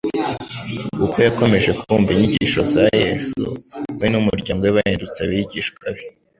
Uko yakomeje kumva inyigisho za Yesu, we n’umuryango we bahindutse abigishwa be.